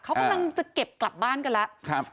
เขากำลังจะเก็บกลับบ้านกันแล้ว